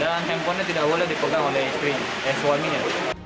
dan handphonenya tidak boleh dipegang oleh suaminya